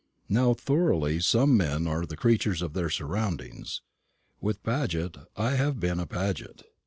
How thoroughly some men are the creatures of their surroundings! With Paget I have been a Paget.